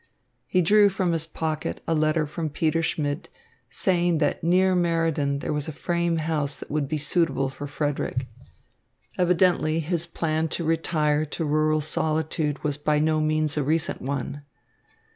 He drew from his pocket a letter from Peter Schmidt, saying that near Meriden there was a frame house that would be suitable for Frederick. Evidently his plan to retire to rural solitude was by no means a recent one.